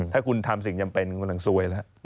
ถ้าคุณทำสิ่งจำเป็นคุณกำลังซวยแล้ว